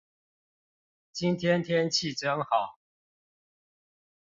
今天天氣真好